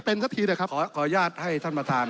ขออนุญาตให้ท่านประธาน